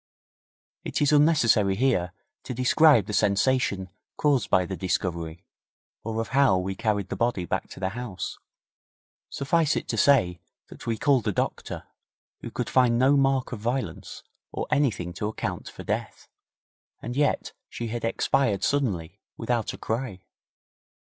It is unnecessary here to describe the sensation caused by the discovery, or of how we carried the body back to the house. Suffice it to say that we called the doctor, who could find no mark of violence, or anything to account for death. And yet she had expired suddenly, without a cry.